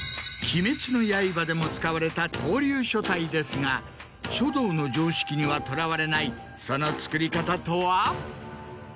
『鬼滅の刃』でも使われた闘龍書体ですが書道の常識にはとらわれないその作り方とは？